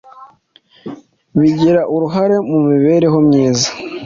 bigira uruhare mu mibereho myiza